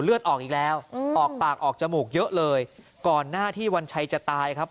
เลือดออกอีกแล้วออกปากออกจมูกเยอะเลยก่อนหน้าที่วันชัยจะตายครับ